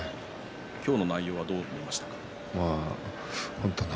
今日の内容はどう見ましたか？